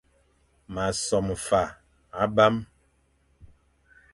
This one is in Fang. M a som fa abam,